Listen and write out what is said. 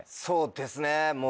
そうですね。